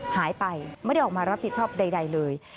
หายไปไม่ได้ออกมารับผิดชอบใดเลย